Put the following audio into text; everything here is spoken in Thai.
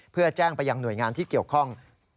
เพื่อแจ้งไปยังหน่วยงานที่เกี่ยวข้อง